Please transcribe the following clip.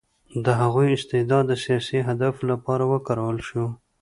د هغوی استعداد د سیاسي اهدافو لپاره وکارول شو